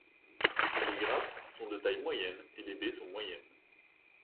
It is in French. Les grappes sont de taille moyenne et les baies sont moyennes.